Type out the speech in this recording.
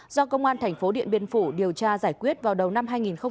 do công an thành phố điện biên phủ điều tra giải quyết vào đầu năm hai nghìn hai mươi ba